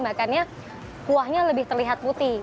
makanya kuahnya lebih terlihat putih